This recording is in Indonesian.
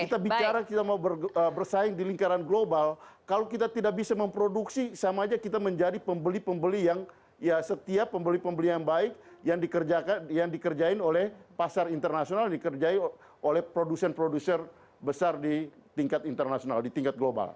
kita bicara kita mau bersaing di lingkaran global kalau kita tidak bisa memproduksi sama aja kita menjadi pembeli pembeli yang ya setiap pembeli pembeli yang baik yang dikerjain oleh pasar internasional dikerjai oleh produsen produser besar di tingkat internasional di tingkat global